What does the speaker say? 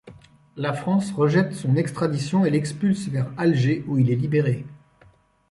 La France rejette son extradition et l'expulse vers Alger où il est libéré.